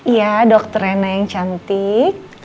iya dokter reina yang cantik